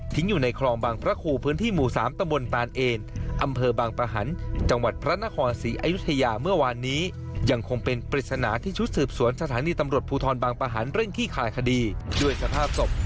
ติดตามจากรายงานครับ